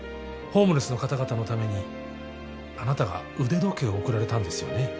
ホームレスの方々のためにあなたが腕時計を贈られたんですよね？